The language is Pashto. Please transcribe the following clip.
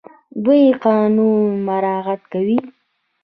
دوی قانون مراعات کوي.